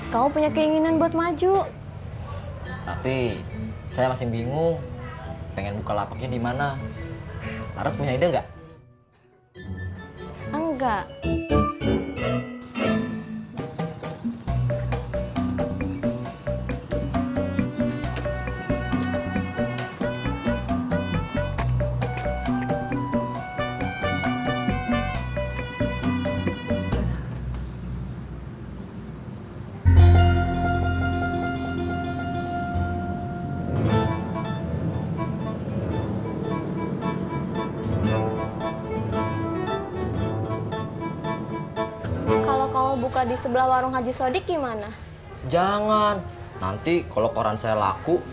sampai jumpa di video selanjutnya